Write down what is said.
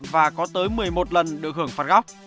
và có tới một mươi một lần được hưởng phạt góc